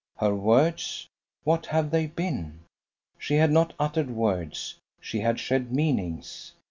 Her words? What have they been? She had not uttered words, she had shed meanings.